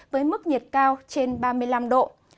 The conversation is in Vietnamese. với mức nhiệt cao trên ba mươi năm độ